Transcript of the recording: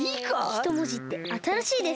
ひともじってあたらしいです！